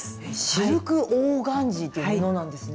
シルクオーガンジーという布なんですね。